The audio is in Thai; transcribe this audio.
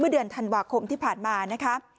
กลุ่มตัวเชียงใหม่